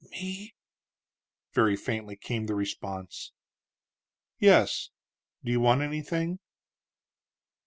"Me?" very faintly came the response. "Yes. Do you want anything?"